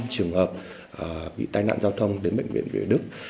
năm trăm linh năm trường hợp bị tai nạn giao thông đến bệnh viện việt đức